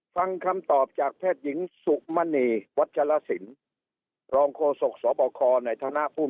ฟังคำตอบจากแพทย์หญิงสุมณีวัชฌาสินรองโกศกสวบคลอในธนาภูมิ